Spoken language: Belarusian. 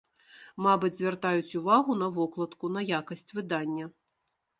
Мабыць, звяртаюць увагу на вокладку, на якасць выдання.